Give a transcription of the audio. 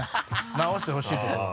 直してほしいところは。